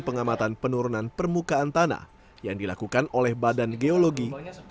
pengamatan penurunan permukaan tanah yang dilakukan oleh badan geologi